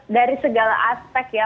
dari segala aspek ya